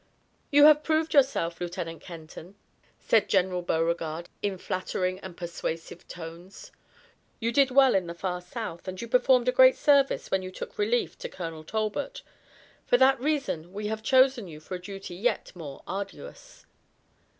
"You have proved yourself, Lieutenant Kenton," said General Beauregard in flattering and persuasive tones. "You did well in the far south and you performed a great service when you took relief to Colonel Talbot. For that reason we have chosen you for a duty yet more arduous."